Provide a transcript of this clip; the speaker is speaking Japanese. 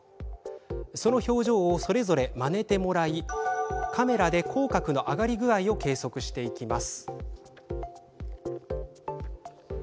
その表情をそれぞれまねてもらいカメラで口角の上がり具合を計測していきます。